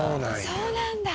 そうなんだ。